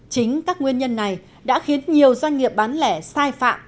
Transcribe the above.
chính các nguyên nhân này đã khiến nhiều doanh nghiệp bán lẻ sai phạm